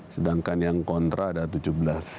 sedangkan yang kontra ada tujuh belas